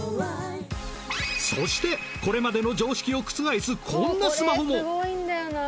そしてこれまでの常識を覆すこんなスマホも。